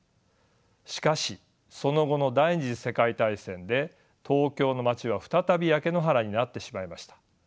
しかしその後の第２次世界大戦で東京の街は再び焼け野原になってしまいました。